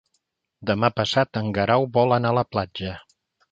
Demà passat en Guerau vol anar a la platja.